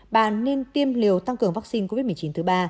bà nên tiêm liều tăng cường vaccine covid một mươi chín thứ ba